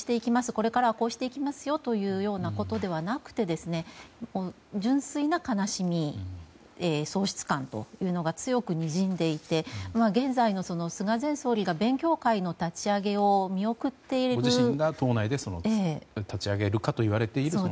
これからはこうしていきますということではなくて純粋な悲しみ喪失感というのが強くにじんでいて現在の菅前総理が勉強会の立ち上げをご自身が党内で立ち上げるかといわれているもの。